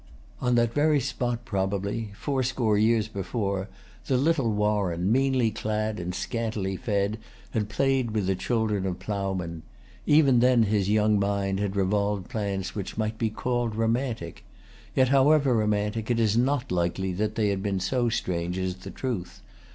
On that very spot probably, fourscore years before, the little Warren, meanly clad and scantily fed, had played[Pg 242] with the children of ploughmen. Even then his young mind had revolved plans which might be called romantic. Yet, however romantic, it is not likely that they had been so strange as the truth.